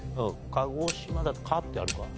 鹿児島だと「か」ってあるか？